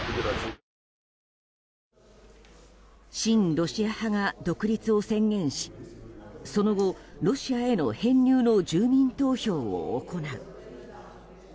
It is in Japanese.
親ロシア派が独立を宣言しその後、ロシアへの編入の住民投票を行う。